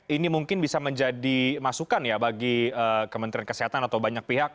ini mungkin bisa menjadi masukan ya bagi kementerian kesehatan atau banyak pihak